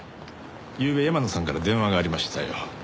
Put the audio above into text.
ゆうべ山野さんから電話がありましたよ。